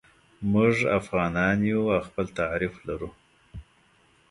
موږ افغانان یو او خپل تعریف لرو.